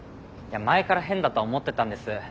前から変だとは思ってたんです。